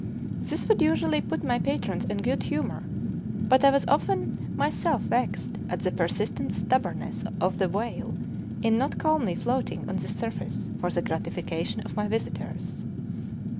This would usually put my patrons in good humor; but I was myself often vexed at the persistent stubbornness of the whale in not calmly floating on the surface for the gratification of my visitors.